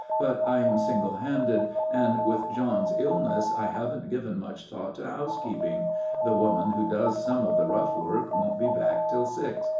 But I am single handed, and, with Jean's illness, I haven't given much thought to housekeeping. The woman who does some of the rough work won't be back till six.